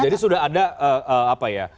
jadi sudah ada apa ya